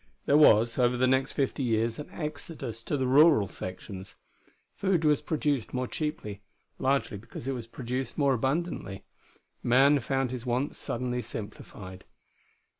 There was, over the next fifty years, an exodus to the rural sections. Food was produced more cheaply, largely because it was produced more abundantly. Man found his wants suddenly simplified.